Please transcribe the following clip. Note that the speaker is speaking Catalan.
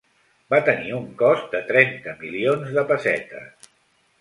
Va tenir un cost de trenta milions de pessetes.